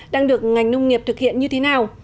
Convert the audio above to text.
đang được ngành nông nghiệp thực hiện như thế nào